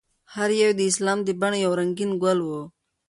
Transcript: هر یو یې د اسلام د بڼ یو رنګین ګل و.